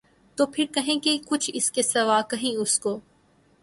تو پھر کہیں کہ کچھ اِس سے سوا کہیں اُس کو